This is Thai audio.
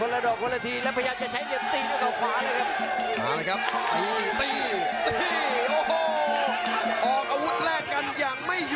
โกรธ์กลัวแลกับทำให้ตีด้วยรู้้ใจมากขึ้น